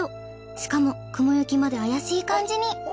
しかも雲行きまで怪しい感じに。